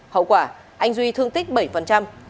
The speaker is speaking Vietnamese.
hậu quả anh duy thương tích bảy